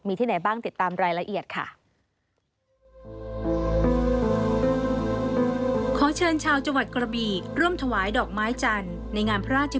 มีที่ไหนบ้างติดตามรายละเอียดค่ะ